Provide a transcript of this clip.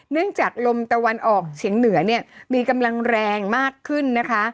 จากลมตะวันออกเฉียงเหนือเนี่ยมีกำลังแรงมากขึ้นนะคะ